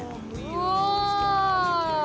うわ！